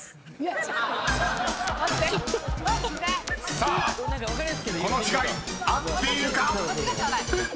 ［さあこの違い合っているか⁉］